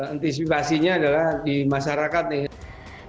antisipasinya adalah di masyarakat nih